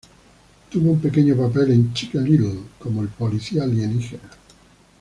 Tuvo un pequeño papel en "Chicken Little" como el policía alienígena.